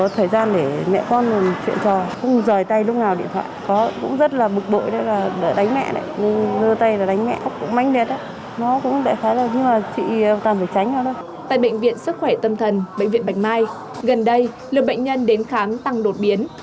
tại bệnh viện sức khỏe tâm thần bệnh viện bạch mai gần đây lượng bệnh nhân đến khám tăng đột biến